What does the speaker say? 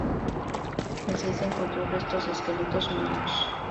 En seis encontró restos de esqueletos humanos.